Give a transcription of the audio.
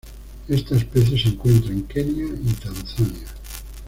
Esta especie se encuentra en Kenia y Tanzania.